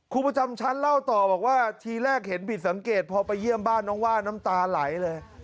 ครูประจำชั้นเล่าต่อบอกว่าทีแรกเห็นผิดสังเกตพอไปเยี่ยมบ้านน้องว่าน้ำตาไหลเลย